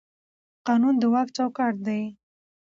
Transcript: قانون د واک چوکاټ دی